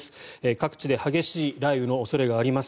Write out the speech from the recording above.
各地で激しい雷雨の恐れがあります。